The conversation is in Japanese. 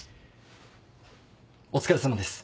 お疲れさまです。